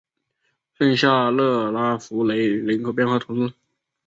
圣夏勒拉福雷人口变化图示